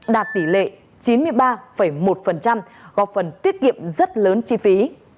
đạt tỷ lệ chín mươi ba một góp phần tiết kiệm rất lớn chi phí